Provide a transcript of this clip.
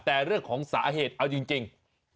แต่เรื่องของสาเหตุเอาจริง